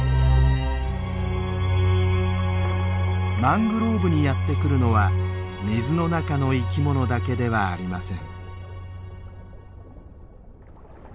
マングローブにやって来るのは水の中の生き物だけではありません。